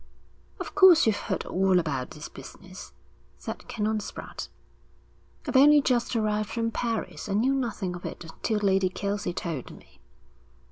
'Of course you've heard all about this business?' said Canon Spratte. 'I've only just arrived from Paris. I knew nothing of it till Lady Kelsey told me.'